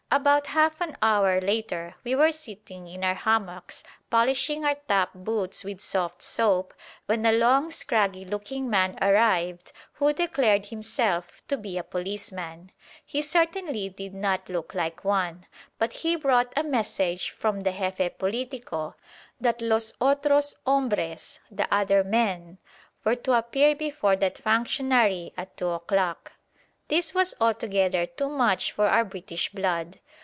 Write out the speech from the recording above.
About half an hour later we were sitting in our hammocks polishing our top boots with soft soap, when a long scraggy looking man arrived who declared himself to be a policeman. He certainly did not look like one, but he brought a message from the Jefe Politico that "los otros hombres" (the other men) were to appear before that functionary at two o'clock. This was altogether too much for our British blood.